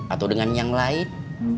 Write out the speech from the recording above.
atau dengan yang lain